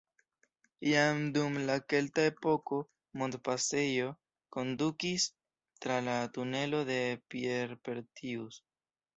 Jam dum la kelta epoko montpasejo kondukis tra la tunelo de Pierre-Pertius.